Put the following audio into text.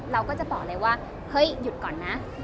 เราก็จะบอกเลยว่าเฮ้ยหยุดก่อนนะ